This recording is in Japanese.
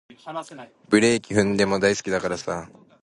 ブレーキ踏んでも大好きだからさ